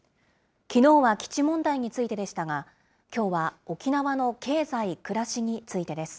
きのうは基地問題についてでしたが、きょうは沖縄の経済、暮らしについてです。